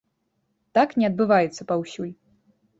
Так не адбываецца паўсюль.